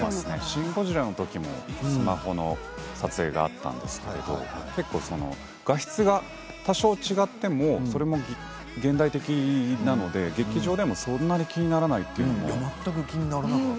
「シン・ゴジラ」のときにも、スマホの撮影だったんですけれども多少画質が違ってもそれが現代的なので劇場でもそんなに気にならないというのが。